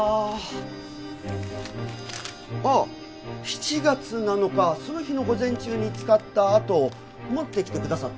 ７月７日その日の午前中に使ったあと持ってきてくださって。